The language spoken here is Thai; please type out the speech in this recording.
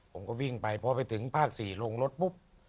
ผมก็วิ่งไปพอไปถึงภาค๔ลงรถปุ๊บ